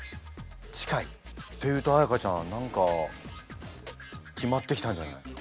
近い。というと彩歌ちゃん何か決まってきたんじゃない？